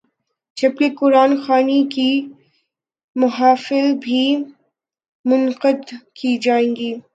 جب کہ قرآن خوانی کی محافل بھی منعقد کی جائیں گی۔